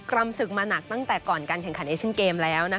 รำศึกมาหนักตั้งแต่ก่อนการแข่งขันเอเชียนเกมแล้ว